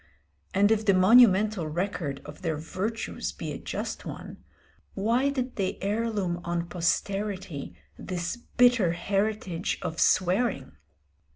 And if the monumental record of their virtues be a just one, why did they heirloom on posterity this bitter heritage of swearing?